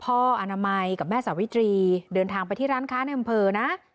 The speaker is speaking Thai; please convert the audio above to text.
อนามัยกับแม่สาวิตรีเดินทางไปที่ร้านค้าในอำเภอนะ